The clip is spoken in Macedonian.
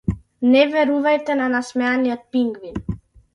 Не верувајте на насмеаниот пингвин.